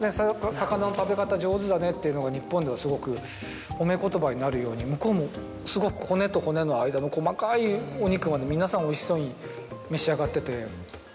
魚の食べ方上手だねってのが日本ではすごく褒め言葉になるように向こうもすごく骨と骨の間の細かいお肉まで皆さんおいしそうに召し上がってて。